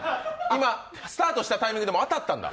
今スタートしたタイミングでもう当たったんだ？